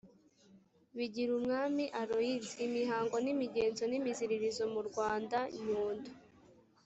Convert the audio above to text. bigirumwami aloys imihango n’imigenzo n’imiziririzo mu rwanda nyundo